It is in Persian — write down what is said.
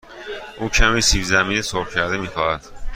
او کمی سیب زمینی سرخ شده می خواهد.